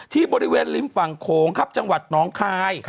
ที่บริเวณลิมฝั่งโขงจังหวัดหนองคาย